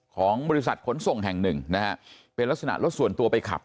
ของบริษัทขนส่งแห่งหนึ่งนะฮะเป็นลักษณะรถส่วนตัวไปขับ